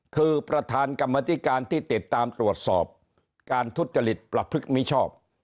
คือประธานกรรมธิการที่ติดตามตรวจสอบการทุจริตประพฤติมิชอบ